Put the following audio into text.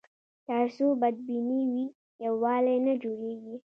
تر څو بدبیني وي، یووالی نه جوړېږي.